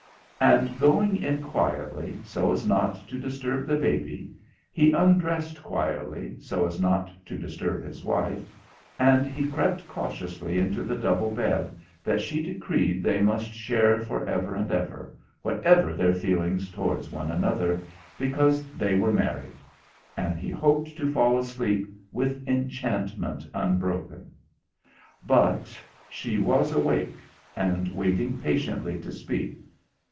And going in quietly, so as not to disturb the baby, he undressed quietly so as not to disturb his wife, and he crept cautiously into the double bed that she decreed they must share for ever and ever, whatever their feelings towards one another, because they were married; and he hoped to fall asleep with enchantment unbroken. But she was awake, and waiting patiently to speak.